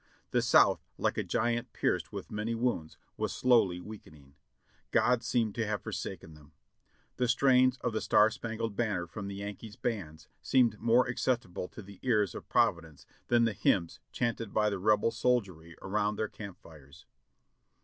The South, like a giant pierced with many wounds, was slowly weakening. God seemed to have forsaken them. The strains of the "Star Spangled Banner" from the Yankee bands seemed more acceptable to the ears of Providence than the hymns chanted by the Rebel soldiery around their camp fires.